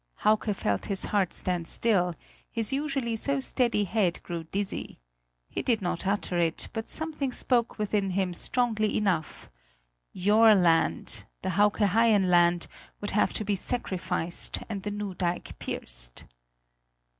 Hauke felt his heart stand still, his usually so steady head grew dizzy. He did not utter it, but something spoke within him strongly enough: your land, the Hauke Haien land, would have to be sacrificed and the new dike pierced.